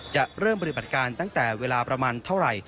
จะเริ่มปฏิบัติการตั้งแต่เวลาประมาณเท่าไหร่